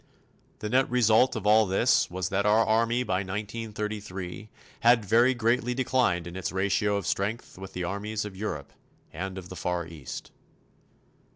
The net result of all this was that our Army by l933 had very greatly declined in its ratio of strength with the armies of Europe and of the Far East.